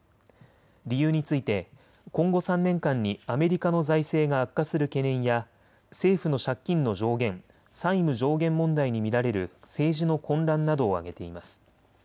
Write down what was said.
理由について今後３年間にアメリカの財政が悪化する懸念や政府の借金の上限、債務上限問題に見られる政治の混乱などを挙げています。